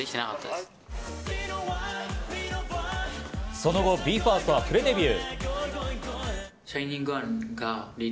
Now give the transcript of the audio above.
その後、ＢＥ：ＦＩＲＳＴはプロデビュー。